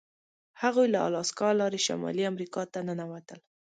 هغوی له الاسکا لارې شمالي امریکا ته ننوتل.